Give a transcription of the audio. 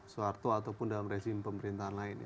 suharto ataupun dalam rezim pemerintahan lain